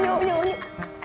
yuk yuk yuk